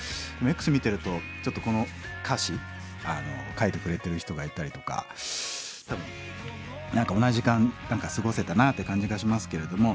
Ｘ見てるとちょっとこの歌詞書いてくれてる人がいたりとか何か同じ時間過ごせたなあって感じがしますけれども。